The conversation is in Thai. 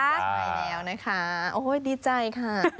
ใช่แล้วนะคะโอ้ยดีใจค่ะ